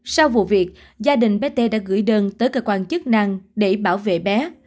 sau vụ việc gia đình bé tê đã gửi đơn tới cơ quan chức năng để bảo vệ bé